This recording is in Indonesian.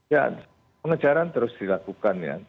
ya pengejaran terus dilakukan ya